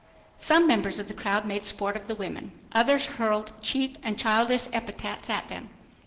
Some members of the crowd made sport of the women. Others hurled cheap and childish epithets at them.